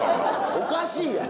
おかしいやん！